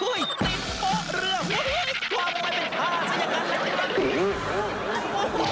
สัญญาการแหละ